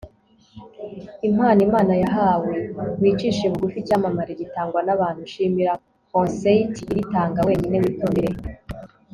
impano imana yahawe. wicishe bugufi. icyamamare gitangwa n'abantu. shimira. conceit iritanga wenyine. witondere